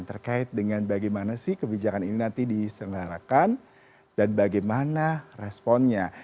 terkait dengan bagaimana sih kebijakan ini nanti diselenggarakan dan bagaimana responnya